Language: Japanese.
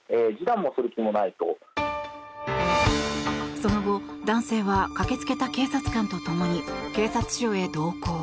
その後、男性は駆けつけた警察官と共に警察署へ同行。